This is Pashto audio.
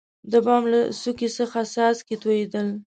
دبام له څوکي څخه څاڅکي تویدل.